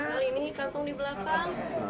kali ini kantong di belakang